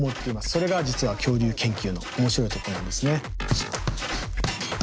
それが実は恐竜研究の面白いところなんですね。